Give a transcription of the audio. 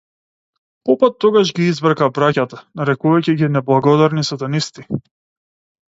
Попот тогаш ги избрка браќата нарекувајќи ги неблагодарни сатанисти.